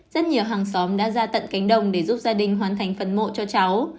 rất nhiều hàng xóm đã ra tận cánh đồng để giúp gia đình hoàn thành phần mộ cho cháu